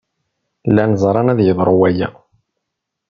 Llan ẓran ad yeḍru waya.